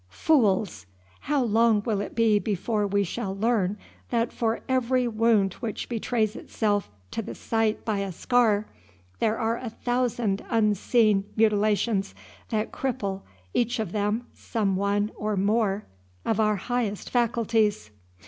Fools! How long will it be before we shall learn that for every wound which betrays itself to the sight by a scar, there are a thousand unseen mutilations that cripple, each of them, some one or more of our highest faculties?